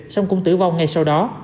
xong cũng tử vong ngay sau đó